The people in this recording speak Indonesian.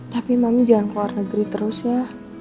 tapi mami jangan ke luar negeri terus ya